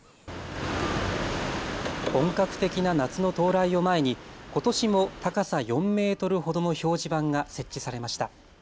本格的な夏の到来を前にことしも高さ４メートルほどの表示板が設置されました。